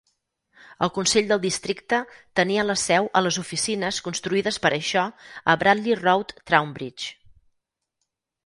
El consell del districte tenia la seu a les oficines construïdes per a això a Bradley Road, Trowbridge.